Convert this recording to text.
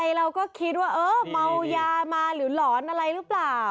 เราก็คิดว่าเออเมายามาหรือหลอนอะไรหรือเปล่า